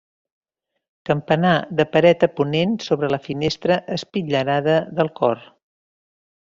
Campanar de paret a ponent sobre la finestra espitllerada del cor.